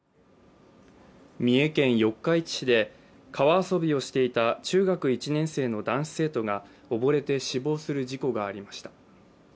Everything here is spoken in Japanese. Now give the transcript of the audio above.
三重県四日市市で川遊びをしていた中学１年生の男子生徒が溺れて死亡する事故がありました。